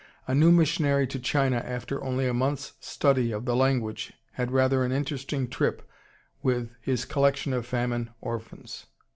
A new missionary to China after only a month's study of the language had rather an interesting trip with his collection of famine orphans.